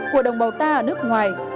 của đồng bào ta ở nước ngoài